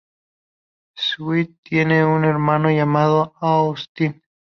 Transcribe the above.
Swift tiene un hermano llamado Austin.